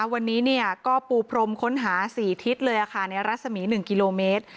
วันนี้ก็ปูพรมค้นหา๔ทิศเลยในรัศมี๑กิโลเมตร